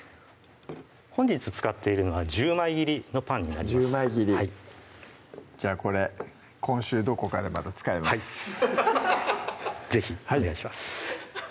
本日使っているのは１０枚切りのパンになります１０枚切りじゃあこれ今週どこかでまた使います是非お願いします